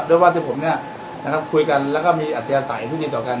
ด้วยว่าที่ผมเนี่ยนะครับคุยกันแล้วก็มีอาธิษฐ์ใส่สู้ดีต่อกัน